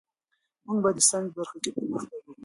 موږ باید د ساینس په برخه کې پرمختګ وکړو.